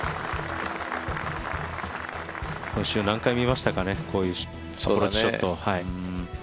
今週、何回見ましたかね、こういうショットを。